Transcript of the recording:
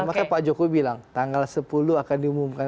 makanya pak jokowi bilang tanggal sepuluh akan diumumkan